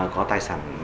có tài sản